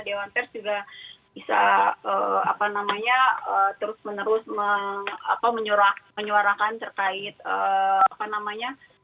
dewan pers juga bisa terus menerus menyuarakan terkait apa namanya